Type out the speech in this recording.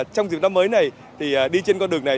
trong dịp năm mới này thì đi trên con đường này